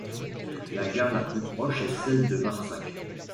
La gare la plus proche est celle de Marsac.